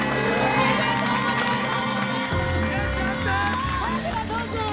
ありがとうございます。